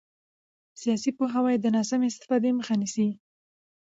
سیاسي پوهاوی د ناسمې استفادې مخه نیسي